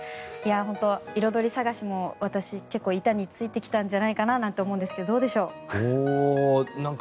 本当、イロドリ探しも私、結構板についてきたんじゃないかななんて思うんですけどどうでしょうか？